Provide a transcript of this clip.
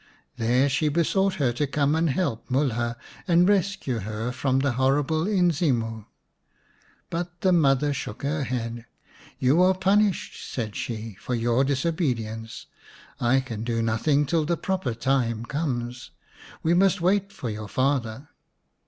There she besought her to come and help Mulha, and rescue her from the horrible Inzimu. But the mother shook her head. " You are punished," said she, " for your disobedience. I can do nothing till the proper time comes ; we must wait for your father."